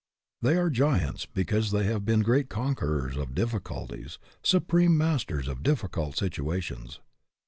They are giants because they have been great conquerors of difficulties, supreme mas ters of difficult situations.